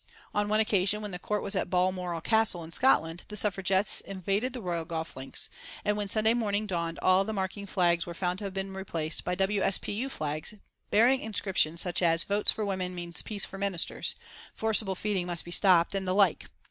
On one occasion when the Court was at Balmoral Castle in Scotland, the Suffragettes invaded the Royal golf links, and when Sunday morning dawned all the marking flags were found to have been replaced by W. S. P. U. flags hearing inscriptions such as "Votes for Women means peace for Ministers," "Forcible feeding must be stopped," and the like.